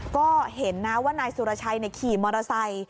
ก็เห็นนะว่านายสุรชัยขี่มอเตอร์ไซค์